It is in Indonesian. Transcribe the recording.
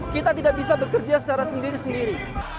kita tidak bisa bekerja secara sendiri sendiri